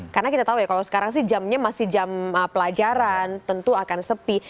karena kita tahu ya kalau sekarang sih jamnya masih jam pelajaran tentu akan sepi